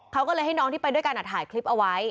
เขาก็เลยให้น้องที่ไปด้วยกันถ่ายคลิปเอาไว้